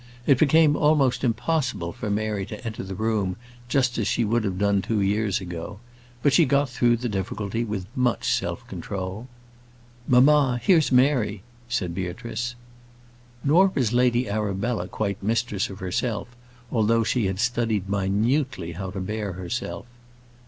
It became almost impossible for Mary to enter the room just as she would have done two years ago; but she got through the difficulty with much self control. "Mamma, here's Mary," said Beatrice. Nor was Lady Arabella quite mistress of herself, although she had studied minutely how to bear herself.